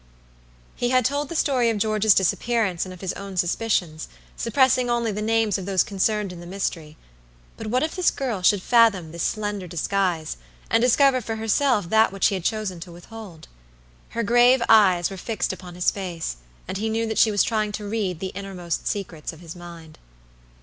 He had told the story of George's disappearance and of his own suspicions, suppressing only the names of those concerned in the mystery; but what if this girl should fathom this slender disguise, and discover for herself that which he had chosen to withhold. Her grave eyes were fixed upon his face, and he knew that she was trying to read the innermost secrets of his mind.